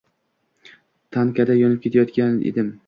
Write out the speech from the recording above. Tankada yonib ketayozgan edim?